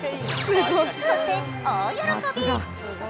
そして、大喜び。